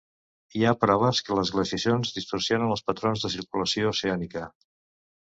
Hi ha proves que les glaciacions distorsionen els patrons de circulació oceànica.